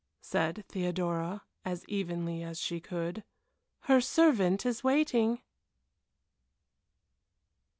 said Theodora, as evenly as she could. "Her servant is waiting."